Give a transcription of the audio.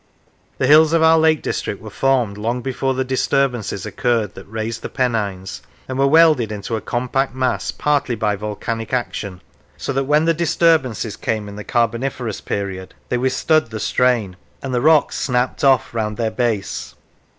The hills of our Lake District were formed long before the disturbances occurred that raised the Pennines, and were welded into a compact mass partly by volcanic action; so that when the disturbances came in the Carboniferous period they withstood the strain, and the rocks " snapped off " round their base.